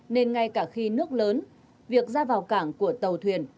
nên ngay cả khi nước lớn việc ra vào cảng của tàu thuyền